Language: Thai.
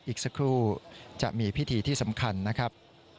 อีกสักครู่จะมีพิธีที่สำคัญนะครับ